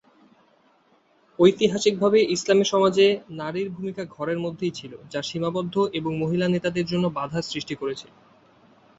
ঐতিহাসিকভাবে ইসলামী সমাজে, নারীর ভূমিকা ঘরের মধ্যেই ছিল, যা সীমাবদ্ধ এবং মহিলা নেতাদের জন্য বাধা সৃষ্টি করেছে।